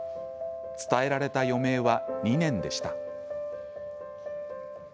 伝えられた余命は２年でした。